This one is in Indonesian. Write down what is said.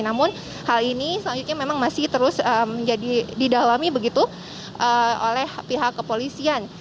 namun hal ini selanjutnya memang masih terus menjadi didalami begitu oleh pihak kepolisian